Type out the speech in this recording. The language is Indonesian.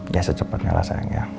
ya secepatnya lah sayang ya